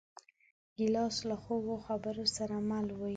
ګیلاس له خوږو خبرو سره مل وي.